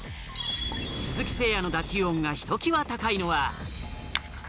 鈴木誠也の打球音がひときわ高いのは。